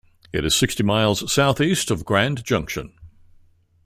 It is sixty miles southeast of Grand Junction.